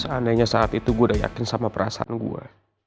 seandainya saat itu gue udah yakin sama perasaan gue